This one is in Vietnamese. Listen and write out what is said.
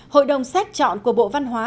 hội đồng xét chọn của bộ văn hóa